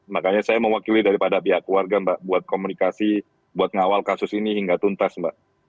makanya saya mewakili daripada pihak keluarga mbak buat komunikasi buat ngawal kasus ini hingga tuntas mbak